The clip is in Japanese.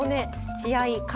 血合い皮